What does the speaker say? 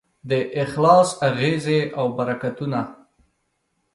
د اخلاص اغېزې او برکتونه